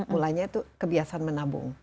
mulanya itu kebiasaan menabung